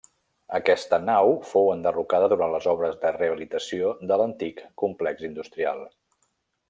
Aquesta nau fou enderrocada durant les obres de rehabilitació de l'antic complex industrial.